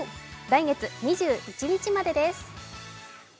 来月２１日までです。